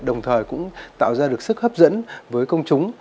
đồng thời cũng tạo ra được sức hấp dẫn với công chúng